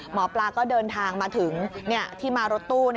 หมอปลาก็เดินทางมาถึงที่มารถตู้